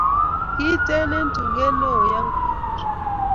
kiiten eng' tugeet neoo ya kokikur